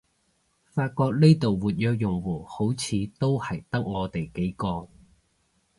發覺呢度活躍用戶好似都係得我哋幾個